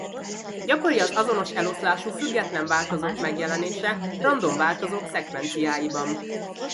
Gyakori az azonos eloszlású független változók megjelenése random változók szekvenciáiban.